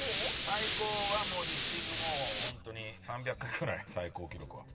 最高はリフティングもうホントに３００回ぐらい最高記録は。